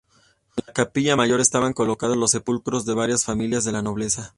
En la capilla mayor estaban colocados los sepulcros de varias familias de la nobleza.